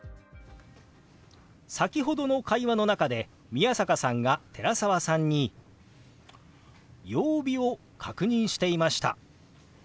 先ほどの会話の中で宮坂さんが寺澤さんに曜日を確認していました。